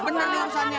bener nih urusannya